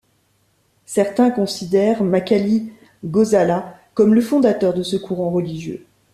Certains considèrent Makkhali Gosala comme le fondateur de ce courant religieux.